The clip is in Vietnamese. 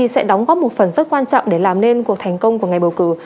sẽ đóng góp một phần rất quan trọng để làm nên cuộc thành công của ngày bầu cử